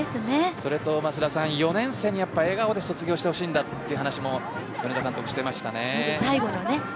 それと４年生に笑顔で卒業してほしいんだという話も米田監督してましたね。